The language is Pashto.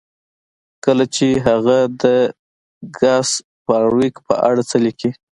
کله چې هغه د ګس فارویک په اړه څه لیکي